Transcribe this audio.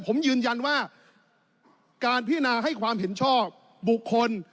ผมยืนยันว่าการพิจารณาให้ความเห็นชอบบุคคล